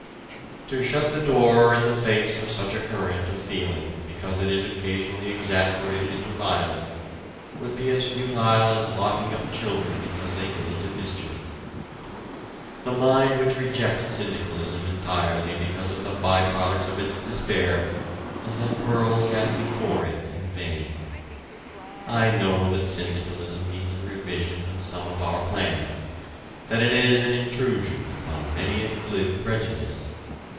To shut the door in the face of such a current of feeling because it is occasionally exasperated into violence would be as futile as locking up children because they get into mischief. The mind which rejects syndicalism entirely because of the by products of its despair has had pearls cast before it in vain. I know that syndicalism means a revision of some of our plans that it is an intrusion upon many a glib prejudice.